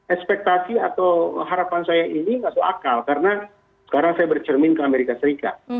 ekspektasi atau harapan saya ini masuk akal karena sekarang saya bercermin ke amerika serikat